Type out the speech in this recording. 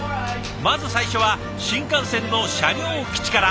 まず最初は新幹線の車両基地から。